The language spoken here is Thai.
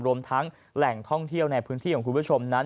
รวมทั้งแหล่งท่องเที่ยวในพื้นที่ของคุณผู้ชมนั้น